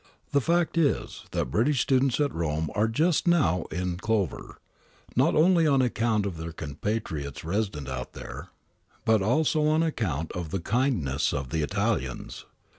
The fact is that British students at Rome are just now in clever, not only on account of their compatriots resident out there, but also on account of the kindness of the Italians.